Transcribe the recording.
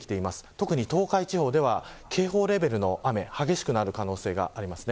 特に東海地方では警報レベルの雨激しくなる可能性があります。